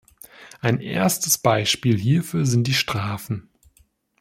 Ein erstes Beispiel hierfür sind die Strafen.